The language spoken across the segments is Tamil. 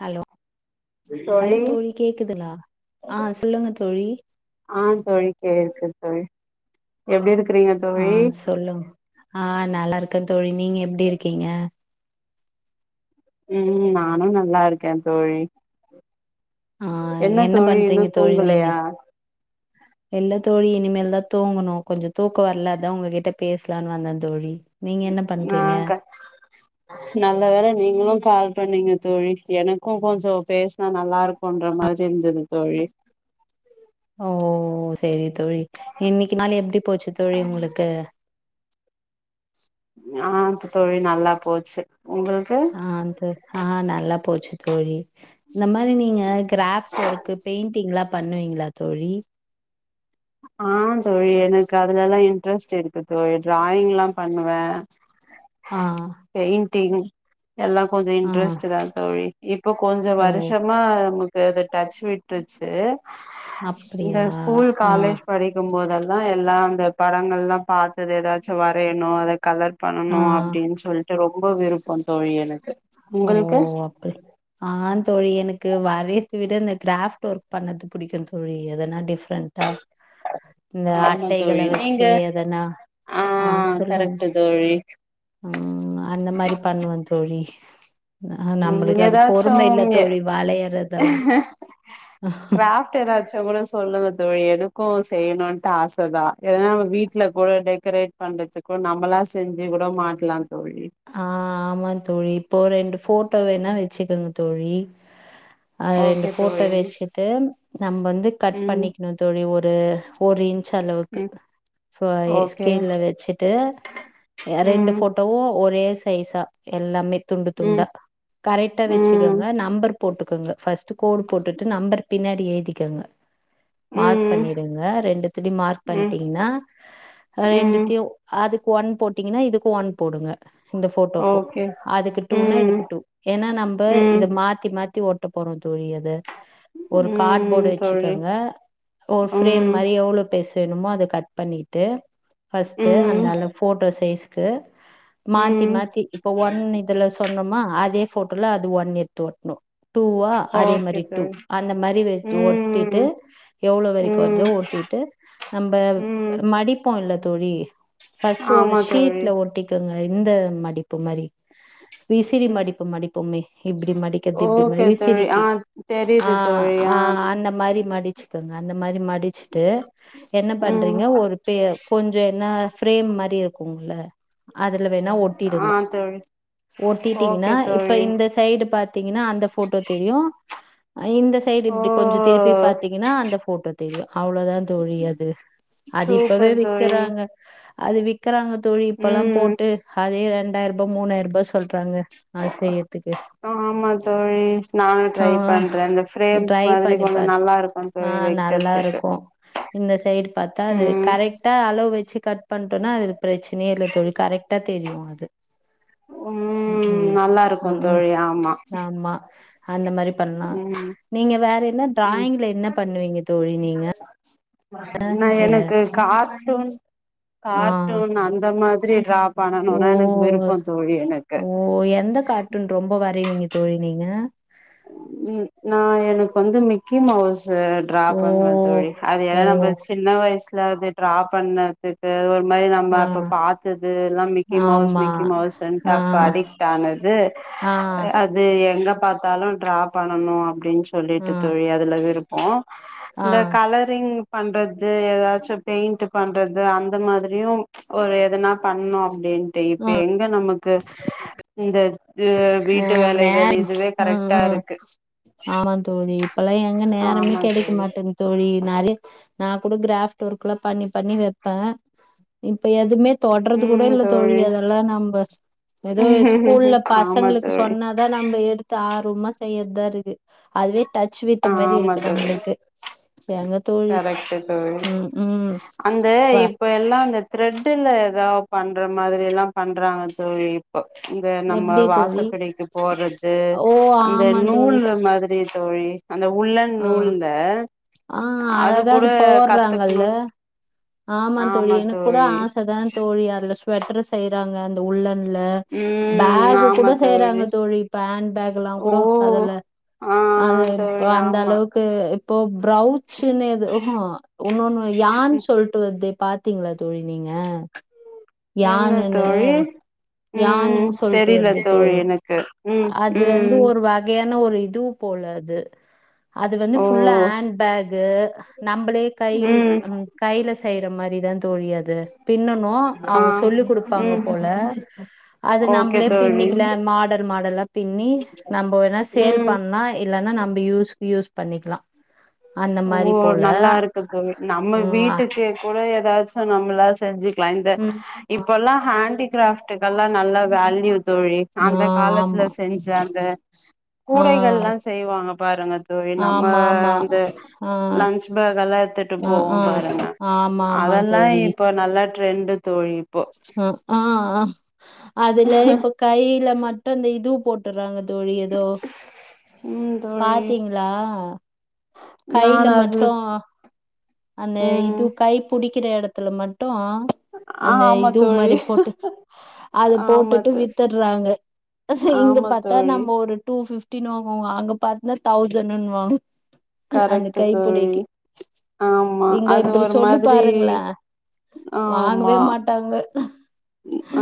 ஹலோ ஹலோ தோழி கேக்குதுலா ஆ சொல்லுங்க தோழி ஆ தோழி கேக்குது தோழி எப்டி இருக்கறிங்க ஆ சொல்லுங் ஆ நல்லா இருக்க தோழி நீங்க எப்டி இருக்கீங்க ம் ம் நானு நல்லா இருக்கே தோழி ஆ என்ன தோழி இன்னு பண்றீங்க தோழி நீங்க தூங்கலையா இல்ல தோழி இனிமேல் தா தூங்கணு கொஞ்ச தூக்கோ வரல அதா உங்ககிட்ட பேசலான் வந்த தோழி நீங்க என்னப் நா கட் நல்ல வேல நீங்களு கால் பண்ணீங்க தோழி எனக்கு கொஞ்சோ பேசுனா நல்லா இரு க்கொன்ற மாரி இருந்தது தோழி ஓ சேரி தோழி இன்னைக்கு நாள் எப்டி போச்சு தோழி உங்களுக்கு ஆ இப்ப தோழி நல்லா போச்சு உங்களுக்கு ஆந்து ஆ நல்லா போச்சு தோழி இந்த மாரி நீங்க கிராஃப்ட் ஒர்க்கு பெயிண்டிங்ல்லா பண்ணுவீங்ளா தோழி ஆ தோழி எனக்கு அதுலல்லா இன்ட்ரெஸ்ட் இருக்கு தோழி டிராயிங்ல்லா பண்ணுவ ஆ பெயிண்டிங் எல்லா கொஞ்ச ஆ இன்ட்ரெஸ்ட்டு தா தோழி இப்ப கொஞ்ச ஓ வருஷ மா நமக்கு அது டச் விட்டுருச்சு இந்த அப்டியா ஸ்கூல் ஆ காலேஜ் படிக்கும்போதெல்லா எல்லா அந்த படங்கள்லா பாத்தது எதாச்சு வரையணு அத கலர் பண்ணணு ஆ அப்டின் சொல்ட்டு ரொம்ப விருப்போ தோழி எனக்கு உங்களுக்கு ப்பு ஆ தோழி எனக்கு வரையத விட இந்த கிராஃப்ட் ஒர்க் பண்ணது புடிக்கு தோழி எதனா டிஃப்ரெண்ட்டா ஆமா தோழி நீங்க எதனா ஆ கரக்ட்டு தோழி ம் அந்த மாரி பண்ணுவ தோழி ஆ ம் நம்மளுக்கு அது எதாச்சு பொறும இல்ல எ தோழி வளையறதெல்லா கிராஃப் ட்டு எதாச்சு கூட சொல்லுங்க தோழி எனக்கு செய்யணுன்ட்டு ஆச தா எதனா வீ்ட்ல கூட டெக்கரேட் பண்றதுக்கு நம்மளா செஞ்சு கூட மாட்லா தோழி ஆ ஆமா தோழி இப்போ ரெண்டு ஃபோட்டோ வேணா வச்சுக்குங்க தோழி அது ரெண்டு ஓகே போட்டோ தோழி வச்சுட்டு நம்ம வந்து கட் ம் பண்ணிக்கணு தோழி ஒரு ஒரு இன்ச் அளவுக் ம் இப்ப எ ஓகே ஸ்கேல்ல வச்சுட்டு எ ரெண்டு ம் போட்டோவு ஒரே சைஸா எல்லாமே துண்டு ம் துண்டா கரெக்டா ம் வச்சுக்கோங்க நம்பர் போட்டுக்கோங்க பஸ்ட்டு கோடு போட்டுட்டு நம்பர் பின்னாடி எழுதிக்கங்க மார்க் ம் பண்ணிடுங்க ரெண்டுதிலு மார்க் ம் பண்ணிட்டீங்ன்னா ம் ரெண்டுத்தையு அதுக்கு ஒன் போட்டீங்கன்னா இதுக்கு ஒன் போடுங்க இந்த போட்டோக்கு ஓகே அதுக்கு டூனா ம் இதுக்கு டூ ஏன்னா நம்ம ம் இத மாத்தி மாத்தி ஒட் ட போறோ தோழி அது ஒரு கார் போர்டு ம் தோழி வச்சுக்கங்க ஒரு ஃரேம் ம் மாரி எவ்ளோ பெருசு வேணுமோ அதை கட் பண்ணிட்டு ஃபஸ்ட்டு அந்த ம் அள ஃபோட்டோ சைஸ்க்கு மாத்தி ம் மாத்தி இப்ப ஒன்னு இதுல சொன்னோமா அதே போட்டோல அது ஒன்ன எத்து ஓட்ணு டூவா அதே ஓகே மாரி டூ தோழி அந்த மாரி எடுத்து ஒட்டிட்டு ம் எவ்வளோ வரைக்கு ம் வருதோ ஒட்டிட்டு நம்ம ம் மடிப்போ இல்ல தோழி பஸ்ட்டு ஒரு ஆமா தோழி ஷீட்ல ஒட்டிக்குங்க இந்த மடிப்பு மாரி விசிறி ம் மடிப்பு மடிப்போமே இப்படி மடிக்கறது இப்படி ம ஓகே தோழி ஆ விசிறிக்கு ஆ தெரியுது தோழி ஆ அந்த மாரி மடிச்சுக்குங்க அந்த மாரி ம அடிச்சிட்டு என்ன ம் பண்றீங்க ஒரு கொஞ்ச என்ன ப்ரேம் மாரி இருக்கும்ல அதுல வேணா ஆ ஒட்டிடுங்க தோழி ஓகே ஒட்டிட்டீங்கன்னா இப்ப தோழி இந்த சைடு பாத் த்தீங்கன்னா அந்த போட்டோ தெரியு இந்த சைடு ஓ இப்படி கொஞ்ச திருப்பி பாத்தீங்கன்னா அந்த போட்டோ தெரியு அவ்வளோதான் தோழி அது அது இப்பவே சூப்பர் தோழி விக்கறாங்க அது விக்கறாங்க தோழி இப்பெல்லா ம் போட்டு அதே ரெண்டாயிரூபா மூணாயி ருபா சொல்றாங்க ஆ செய்யறதுக்கு ஆமா தோழி நானு ஆ ட்ரை பண்றே இந்த ஃபேரேம்ஸ் ட்ரை மாரி பண்ணி கொஞ்ச பாருங்க நல்லாருக்கு ஆ நல்லா இருக்கு இந்த சைடு பாத்தாது ம் கரெக்ட் ட்டா அளவு வச்சு கட் பண்ட்டோம்னா அது பிரச்சனையே இல்ல தோழி கரெக்டா தெரியு அது ம் நல்லாருக்கு தோழி ஆமா அம்மா அந்த மாரி பண்லா ம் நீங்க வேற என்ன ம் ட்ராயிங்ல என்ன பண்ணுவீங்க தோழி நீங்க நா எனக்கு கார்ட்டூன் ஆ கார்ட்டூன் அந்த மாதிரி ராப் ஓ பண்ணனும்னா எனக்கு விருப்போ தோழி எனக்கு ஓ எந்த கார்ட்டூன் ரொம்ப வரைவீங்க தோழி நீங்க ம் நா எனக்கு வந்து மிக்கி மவுஸ் ட்ரா ஓ பண்ணுவ தோழி ஓ அதுல்லா சின்ன வயசுல அது ட்ரா பண்ண க்கு ஒரு மாரி நம்ம ஆ அப்ப பாத்தது எல்லா மிக்கி மவுஸ் ஆமா மிக்கி மவுஸ்ட்டு ஆ அப்ப அடிக் டானது ஆ அது எங்க பாத்தாலு ட்ரா பண்ணணு அப்படின்னு ஆ சொல்லிட்டு தோழி அதுல விருப் ப்போ ஆ இந்த கலர் ரிங் பண்றது ஏதாச்சு பெயிண்ட் பண்றது அந்த மாதிரியு ஒரு எதனா பண்ணோ அப்படின்ட்டு இப்ப எங்க நமக்கு இந்த வீட்டு ம் வேலைகள் நேகி இதுவே ம் கரெக்டா ம் இருக்கு ஆமா தோழி இப்பல்லா எங்க நேரமே ஆமா கெடைக்க தோழி மாட்ட தோழி நெறை நா குடுக்கிற கிராஃப்ட் ஒர்க்ல்லா பண்ணி பண்ணி வைப்பே இப்ப எதுவுமே தொடுறது கூட இல்ல தோழி அதெல்லாம் நம்ம ஏதோ ஸ்கூல்ல பாஸ் ஆமா தோழி அதா நம்ம எடுத்து ஆர்வமா செய்யறதா இருக்கு அதுவே டச் வீட்ட மாரி ஆமா இருக்கு தோழி நம்மளுக்கு எங்க தோழி கரெக்ட்டு தோழி ம் ம் அந்த ப இப்ப எல்லாம் இந்த த்ரெட்டுல ஏதாவது பண்ற மாரி எல்லாம் பண்றாங்க தோழி இந்த நம்ம எப்டி தோழி வாசப்படிக்கு போறது ஓ அந்த ஆமா நூல் தோழி மாதிரி தோழி அந்த உள்ளன் ஆ நூல்ல ஆ அழகா கூட அது போடுறாங்கல்ல கத்துக்கணு ஆமா தோழி எனக்கு கூட ஆசை தான் தோழி அதுல ஸ்வெட்டரு செய்யறாங்க அந்த உள்ளன்ல ம் பேக் ஆமா கூட செய்றாங்க தோழி இப்ப ஹெண் பேக் எல்லாம் ஓ கூட அதுல ஆ அது இப்ப தோழி அந்த ஆமா அளவுக்கு இப்போ பிரௌச்சுன்னு எதோ ஆஹா உன்னொன்னு யான் சொல்ட்டு வருது பாத்தீங்களா தோழி நீங்க என்ன யான்னுனு தோழி யான்னு ம் சொல்ட்டு தெரில வருது தோழி எனக்கு ம் அது வந்து ம் ஒரு வ கையான ஒரு இது போலது அது வந்து ஓ ஃபுல்லா ஹாண்பேக் து நம்பளே கைவிக் ம் கையில செய்ற மாரிதா தோழி அ து பின்னனு ஆ அவுங்க சொல்லி் குடுப்பாங்க ம் போல அது ஓகே நம்ளே தோழி பின்னிக்கலா மாடல் மாடல்லா பின்னி நம்போ வேணா சேல் ம் பண்ணா இல்லன்னா நம்ப யூஸ் யூஸ் பண்ணிக்கலா அந்த ஓ மாரி போல நல்லா இருக்கு தோழி நம்ம ம் ஆ வீட்டுக்கே கூட ஏதாச் நம்மளா செஞ்சிக்கலா இந்த ம் இப்பெல்லா ஹேண்டிகிராஃப்டுகெல்லா நல்லா வேல்யூ தோழி ஆ அந்த காலத்துல ஆமா செஞ்ச அந்த ஆ கூடைகள்லா செய்வாங்க பாருங்க தோழி நம்ம ஆமா ஆமா அந்த ஆ லஞ்ச் பேக்கெல்லா எடுத்துட்டு ஆ போவோ ஆ பாருங்க ஆமா ஆமா அதெல்லா தோழி இப்ப இப்ப நல்லா டிரெண்டு தோழி இப்போ உஹீம் அ அ அதுல இப்ப கையில மட்டு இந்த இது போட் டுறாங்க தோழி ஏதோ ம் தோழி பாத்தீங்களா கையில நான் அது மட்டு அந்த இது ம் கை புடிக்கிற இடத்துல மட்டு அந்த ஆமா இதுவு தோழி மாரி போட்டு அத ஆமா போட்டுட்டு தோழி வித்துட்றாங்க செ இங்க ஆமா பாத்தா தோழி நம்ம ஒரு டூ பிஃப் டினுவாங்க அங்க பார்த்தா தௌசன்னுவாங்க அந்த கரெக்ட்டு தோழி கைப்புடிக்கி ஆமா இங்க அது இப்டி ஒரு சொல்லி மாதிரி பாருங்களா வாங்கவே ஆமா மாட்டாங்க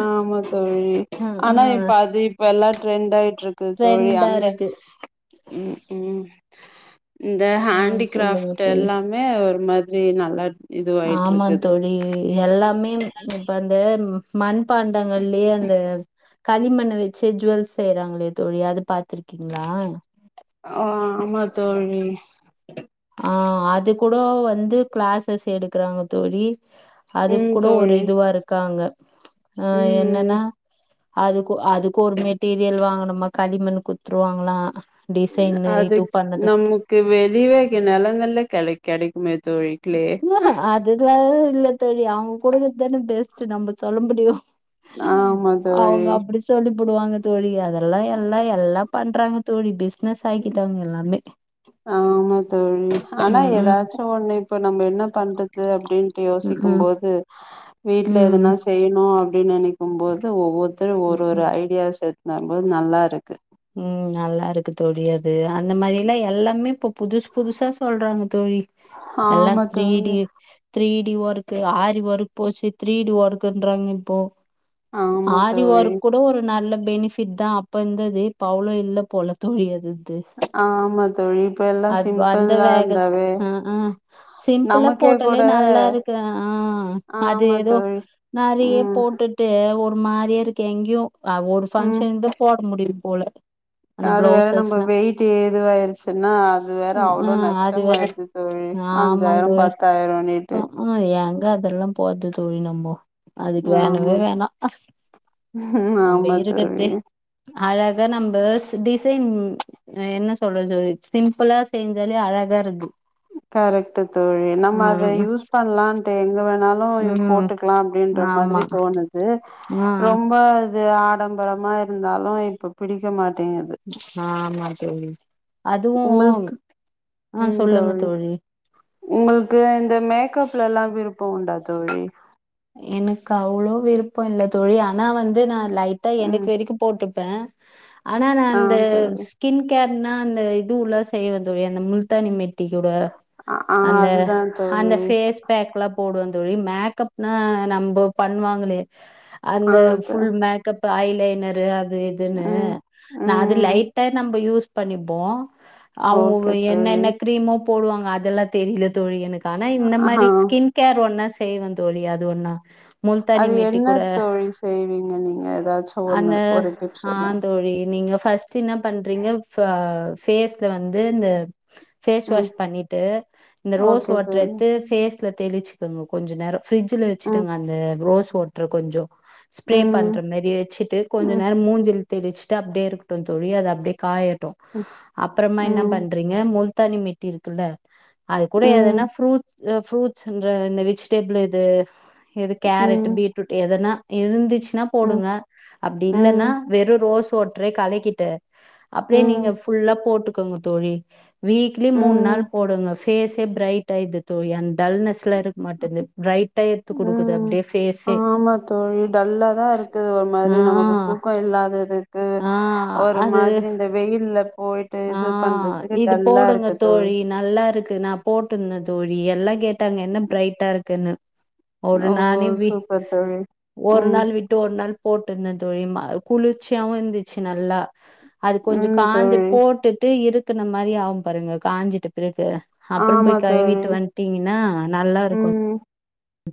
ஆமா தோழி ம் ஆனா ம் இப்ப அது இப்பெல்லா ட்ரெண்ட் ஆயிட்ருக் கு தோழி ட்ரெண்டா அந்த இருக்கு ம் ம் இந்த ம் சொல்லுங்க ஹேண்டிகிராஃப்ட் தோழி எல்லாமே ஒரு மாதிரி நல்லத் ஆமா தோழி எல்லாமே இப்ப அந்த மண் பாண்டங்கள்லயே அந்த களிமண்ண வச்சி ஜுவல்ஸ் செய்றாங்களே தோழி அது பாத்திருக்கீங்களா அ ஆமா தோழி அ அது கூட வந்து கிளாஸஸ் எடுக்குறாங்க தோழி அது ம் கூட ஒரு தோழி இதுவா இருக்காங்க அ ம் என்னன்னா அதுக்கு அதுக்கு ஒரு மெட்டீரியல் வாங்கனும்மா களிமண் குத்துருவாங்கலா டிசைனு இது பண்ணது க்கு வெளிவே நெலகல்ல கெடை கெடைக்குமே தோழி க்லே இயஃப அது இதுவாவே இல்ல தோழி அவுங்க கூடக்கறது தானே பெஸ்ட் நம்ப சொல்ல முடியு ஆமா தோழி அவுங்க அப்டி சொல்லி புடுவாங்க தோழி அதெல்லா எல்லா எல்லா பண்றாங்க தோழி பிஸ்னஸ் ஆக்கிட்டாங்க எல்லாமே ஆமா தோழி ஆனா ம் ம் எதாச்சு ஒன்னு இப்போ நம்ம என்ன பண்றது அப்டின்ட்டு ம் யோசிக்கும் ம் போது வீட்ல ம் எதனா செய்யணு அப்டி நெனைக்கும் போது ஒவ்வொருத்தரு ஒரு ம் ஒரு ம் ஐடியாஸ் எத்னு வரும்போது நல்லாருக்கு ம் நல்லாருக்கு தோழி அது அந்த மாரில்லா எல்லாமே இப்போ புதுசு புதுசா சொல்றாங்க தோழி எல்லா ஆமா த்ரீடி தோழி த்ரீடி ஒர்க்கு ஆரி ஒர்க்கு போச்சு த்ரீடி ஒர்க்குன்றாங்க இப்போ ஆமா தோழி ஆரிவொர்க் கூட ஒரு நல்ல பெனிஃபிட் தா அப்ப இந்தது இப்போ அவ்ளோ இல்ல போல தோழி அது ந்து ஆமா தோழி இப்ப எல்லா அது வந்த சிம்பிளா வேகத் இருந்தாவே ம் ம் சிம்பிளா நமக்கே போட்டாலே கூட நல்லாருக்கு ஆ அது ஆமா எதோ தோழி நெறைய ம் போட்டுட் டு ஒரு மாரி இருக்கு எங்கேயு அ ஒரு ம் ஃபங்க்ஷன்க்து போட முடியுது போல அந்த அது வேற நம்ப பிளவுசஸ்லா வெயிட் ஏதுவாயிருச்சு ச்சின்னா அது வேற ம் ஆ அவ்ளோ அது வேற நஷ்டமாயிருது தோழி அஞ்சாயிரோ பத்தாயிரோனுட்டு ம் எங்க அதெல்லா போறது தோழி நம்போ அதுக்கு வேணவே ஆமா வேணா ம் நம்ப ஆமா தோழி இருக்கத்தே அழகா நம்ப ஸ் டிசைன் அ என்ன சொல்றது தோழி சிம்ப்ளா செஞ்சாலே அழகா இருக்கு கரெக்ட்டு தோழி நம்ம அத ம் யூஸ் பண்ணலான்ட்டு எங்க வேணால் லு யு ம் ம் போட்டுக்கலா அப்டின்ற மாதிரி ஆமா தோணுது ஆ ஆ ரொம்ப இது ஆ டம்பரமா இருந்தாலு இப்ப பிடிக்க மாட்டேங்கிது ஆமா தோழி அதுவும் உங்களுக்கு அ சொல்லுங்க தோழி உங்களுக்கு இந்த மேக்கப்லல்லா விருப்போ உண்டா தோழி எனக்கு அவ்ளோ விருப்பொ இல்ல தோழி ஆனா வந்து நா லைட்டா எனக்கு ம் வெரைக்கு போட்டுப்ப ஆனா நா ஆ அந்த தோழி கின் கேர்னா அந்த இது உள்ள செய்வந் தோழி அந்த முல்தானி மெட்டிகூட ஆ அந்த அதுதா அந்த தோழி ஃபேஸ் பேக்லா போடுவந் தோழி மேக்கப்னா நம்போ பண்வாங்களே அந்த ஆ ஃபுல் மேக்கப்பு ஐலைனரு அது இதுன்னு ம் நா அது ம் லைட்டா நம்ப யூஸ் பண்ணிப்போ ஓகே அவுங்கவெ தோழி என்னென்ன க்ரீமோ போடுவாங்க அதெல்லா தெரில தோழி எனக்கு ஆனா இந்த மாரி ஆஹா ஸ்கின் கேர் ஒன்ன செய்வந்தோழி அது ஒன்னா முல்த்தானி அது மெட்டி என்ன கூட தோழி செய்வீங்க நீங்க ஏதாச்சு அந்த ஒண்ணு ஒரு டிப்ஸ் சொல்லுங்க ஆந்தோழி நீங்க ஃபஸ் ட் என்ன பண்றீங்க ஃப ஃபேஸ்ல வந்து இந்த ஃபேஸ் ம் வாஷ் பண்ணிட்டு இந்த ரோஸ் ஓகே வாட்டர் தோழி எடுத்து ஃபேஸ்ல தெளிச்சுக்கொங்க கொஞ்சொ நேரோ ஃபரிட்ஜ்ல ம் வச்சுடுங்க அந்த ரோஸ் வாட்ரு கொஞ்சோ ஸ்ப்ரே ம் பண்ற மாரி வச்சுட்டு கொஞ்சொ ம் நேரோ மூஞ்சுல தெளிச்சுட்டு அப்டியேருக்கட்டு தோழி அது அப்டியே காயட்டு ம் அப்றமா என்ன பண்றீங்க முல்த்தானி மெட்டி இருக்குல்ல அது கூட ம் ம் எதனா ஃப்ரூட்ஸ் எதோ ஃப்ரூட்ஸ்ன்ற இந்த வெஜிடேபிளு இது எது கேரட்டு ம் பீட் ரூட் எதனா இருந்துச்சுனா போடுங்க அப்டி இல்லன்னா ம் வெறு ரோஸ் வாட்ரே கலக்கிட்டு அப்டியே நீங்க ம் ஃபுல்லா போட்டு கோங்க தோழி வீக்லி மூண் ம் நாள் போடுங்க ஃபேஸே ப்ரைட்டாயிட்து தோழி அந்த டல்னஸ்லா இருக் மாட்டன்து ம் ஆமா தோழி டல்லாதாருக்குது ஒரு ஆ மாரி நமக்கு தூ க்கோ இல்லாததுக்கு ஆ ஒரு அது மாத்ரி இந்த வெயில்ல போய் ஆ இது போடுங்க தோழி நல்லாருக்கு நா போட்டுந்தே தோழி எல்லா கேட்டாங்க என்ன ப்ரைட்டாருக்குனு ஒரு ஓ நானே வி சூப்பர் தோழி ஒரு ம் நாள் வி ட்டு ஒரு நாள் போட்டுந்தே தோழி மா குளிர்ச்சியாவு இந்துச்சு நல்லா அது கொஞ்சோ ம் காஞ்ச தோழி போட்டுட்டு இருக்குன மாரி ஆவு பாருங்க காஞ்சிட்ட பிறகு அப்றோ ஆமா போய் தோழி கழுவிட்டு வன்ட்டீங்கன்னா நல்லாருக்கு ம்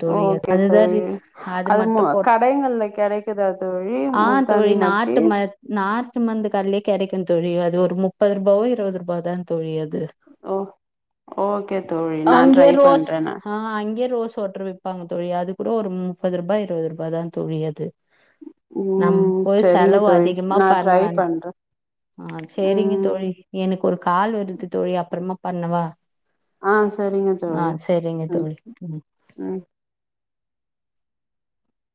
தோழி ஓகே அதுதா தோழி ரிஃப் அது மு மட்டு போட்டு கடைங்கள்ல கெடைக்குதா தோழி ஆ முல்தானி தோழி மட்டி நாட்டு ம நாட்டு மந்து கட்லே கெடைக்கு தோழி அது ஒரு முப்பதுரூபாவோ இருவது ரூபா தா தோழி அது ஓ ஓகே தோழி நா அங்கே ட்ரை ரோஸ் பண்றே நா ஆ அங்கே ரோஸ் ட்ரு விப்பாங்க தோழி அது கூட ஒரு முப்பது ரூபா இருவது ரூபாதா தோழி அது நம் ம் போய் சரிங்க செலவு தோழி அதிகமா நா பண்ண ட்ரை வேணா பண்றே ஆ சேரிங்க ம் தோழி எனக்கு ஒரு கால் வருது தோழி அப்பறமா பண்ணவா ஆ செரிங்க ஆ தோழி சேரிங்க ம் தோழி ம்